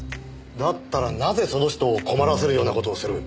だったらなぜその人を困らせるような事をする？